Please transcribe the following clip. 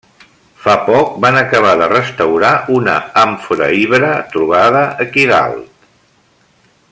Fa poc van acabar de restaurar una àmfora ibera trobada aquí dalt.